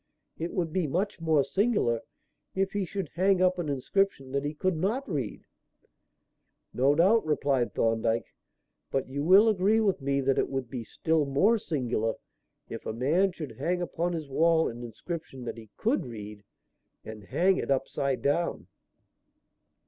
It would be much more singular if he should hang up an inscription that he could not read." "No doubt," replied Thorndyke. "But you will agree with me that it would be still more singular if a man should hang upon his wall an inscription that he could read and hang it upside down."